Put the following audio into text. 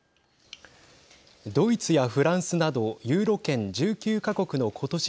ドイツやフランスなどユーロ圏１９か国のことし